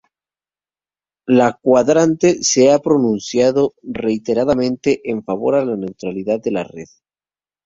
La Quadrature se ha pronunciado reiteradamente en favor de la neutralidad de la red.